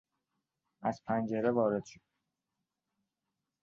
از پنجره وارد شد.